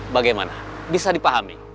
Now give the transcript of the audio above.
bagaimana bisa dipahami